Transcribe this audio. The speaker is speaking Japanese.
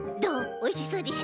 おいしそうでしょ？